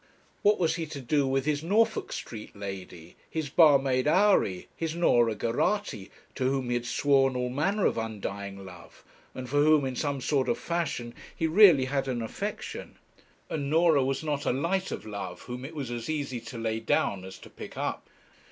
What was he to do with his Norfolk Street lady, his barmaid houri, his Norah Geraghty, to whom he had sworn all manner of undying love, and for whom in some sort of fashion he really had an affection? And Norah was not a light of love whom it was as easy to lay down as to pick up.